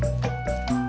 aku mau berbual